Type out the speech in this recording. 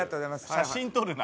写真撮るな。